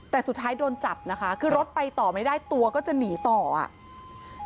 แต่สุดท้ายโดนจับนะคะคือรถไปต่อไม่ได้ตัวก็จะหนีต่ออ่ะ